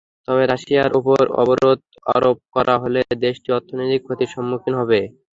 তবে রাশিয়ার ওপর অবরোধ আরোপ করা হলে দেশটি অর্থনৈতিক ক্ষতির সম্মুখীন হবে।